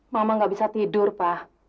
mama gak bisa tidur pak